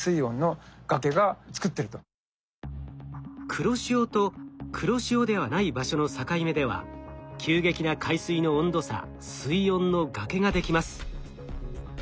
黒潮と黒潮ではない場所の境目では急激な海水の温度差水温の崖ができます。